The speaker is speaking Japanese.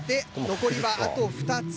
残りはあと２つ。